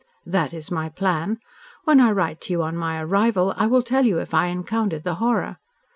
"That is my plan. When I write to you on my arrival, I will tell you if I encountered the horror."